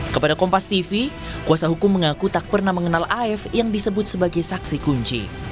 kepada kompas tv kuasa hukum mengaku tak pernah mengenal af yang disebut sebagai saksi kunci